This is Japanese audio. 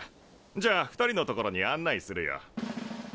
じゃあ２人の所に案内するよ。